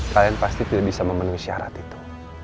kalian pasti tidak bisa memenuhi syarat itu